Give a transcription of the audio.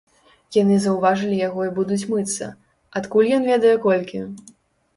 Яны заўважылі яго і будуць мыцца, адкуль ён ведае колькі?